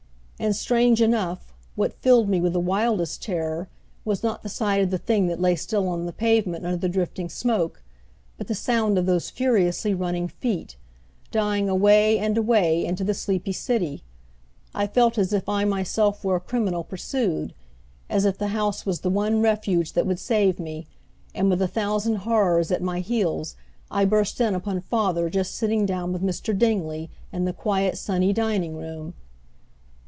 And, strange enough, what filled me with the wildest terror was not the sight of the thing that lay still on the pavement under the drifting smoke, but the sound of those furiously running feet, dying away and away into the sleepy city. I felt as if I myself were a criminal pursued, as if the house was the one refuge that would save me, and with a thousand horrors at my heels I burst in upon father just sitting down with Mr. Dingley, in the quiet, sunny dining room.